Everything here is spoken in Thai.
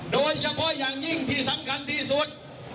โดยเฉพาะอย่างยิ่งที่สำคัญที่สุด